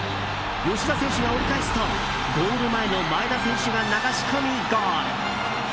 吉田選手が折り返すとゴール前の前田選手が流し込みゴール。